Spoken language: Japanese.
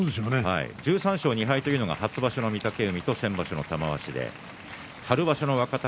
１３勝２敗というのが初場所の御嶽海と先場所の玉鷲。